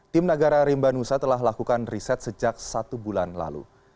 tim nagara rimba nusa telah lakukan riset sejak satu bulan lalu